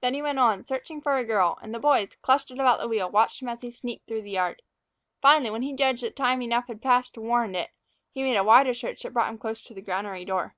Then he went on searching for a girl, and the boys, clustered about the wheel, watched him as he sneaked through the yard. Finally, when he judged that enough time had passed to warrant it, he made a wider search that brought him close to the granary door.